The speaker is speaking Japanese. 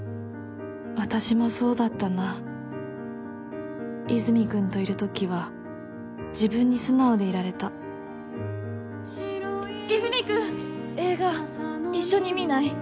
私もそうだったな和泉君といるときは自分に素直でいられた和泉君映画一緒に見ない？